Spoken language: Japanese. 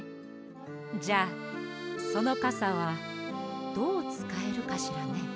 じゃあそのカサはどうつかえるかしらね。